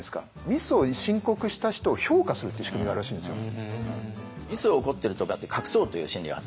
ミスを申告した人を評価するっていう仕組みがあるらしいんですよ。